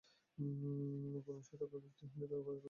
কোন শ্বেতকায় ব্যক্তি হিন্দুদের ঘরে ঢুকিলে ঘর অশুচি হইয়া যায়।